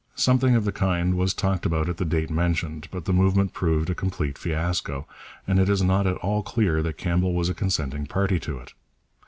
Something of the kind was talked about at the date mentioned, but the movement proved a complete fiasco, and it is not at all clear that Campbell was a consenting party to it.